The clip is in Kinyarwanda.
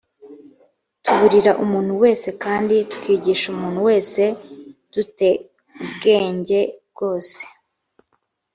tuburira umuntu wese kandi tukigisha umuntu wese du te ubwenge bwose